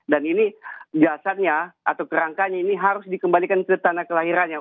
dan ini jasadnya atau kerangkanya ini harus dikembalikan ke tanah kelahirannya